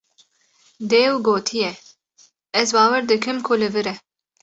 Dêw gotiye: Ez bawer dikim ku li vir e.